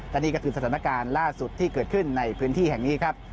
และนี่ก็คือสถานการณ์ล่าสุดที่เกิดขึ้นในพื้นที่แห่งนี้ครับ